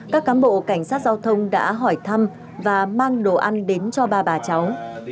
các cán bộ cảnh sát giao thông đã hỏi thăm và mang đồ ăn đến cho ba bà cháu